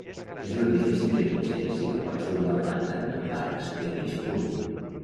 És un edifici entre mitgeres situat sobre una planta amb arcs de mig punt.